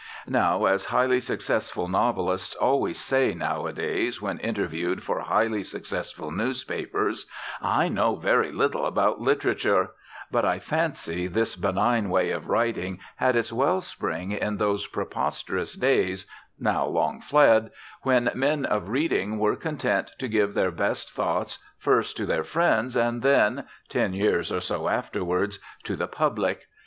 Now, as highly successful novelists always say nowadays when interviewed for highly successful newspapers, "I know very little about literature," but I fancy this benign way of writing had its well spring in those preposterous days, now long fled, when men of reading were content to give their best thoughts first to their friends and then ten years or so afterwards to the "publick."